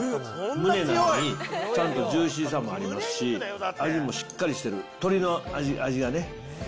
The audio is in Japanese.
むねなのにちゃんとジューシーさもありますし、味もしっかりしてる、鶏の味がね。